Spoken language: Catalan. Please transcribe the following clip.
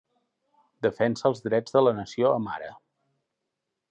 Defensa els drets de la nació amhara.